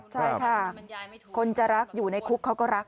ใช่ค่ะคนจะรักอยู่ในคุกเขาก็รัก